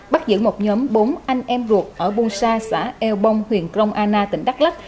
bắt giữ một nhóm bốn anh em ruột ở bu sa xã eo bong huyện krong anna tỉnh đắk lắc